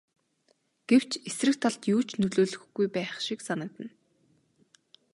Гэвч эсрэг талд юу ч нөлөөлөхгүй байх шиг санагдана.